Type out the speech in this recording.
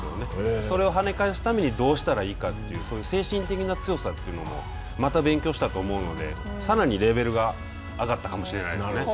それをはね返すためにどうしたらいいかという精神的な強さというのもまた勉強したと思うのでさらにレベルが上がったかもしれないですね。